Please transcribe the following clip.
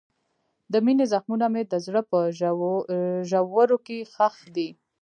د مینې زخمونه مې د زړه په ژورو کې ښخ دي.